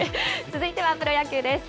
続いてはプロ野球です。